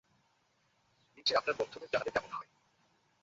নীচে আপনার বন্ধুদের জানালে কেমন হয়?